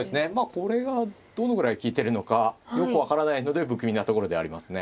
これがどのぐらい利いてるのかよく分からないので不気味なところではありますね。